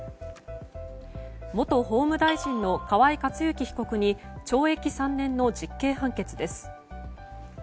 元法務大臣の河井克行被告に懲役３年の実刑判決です。